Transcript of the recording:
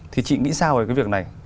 thì chị nghĩ sao về cái việc này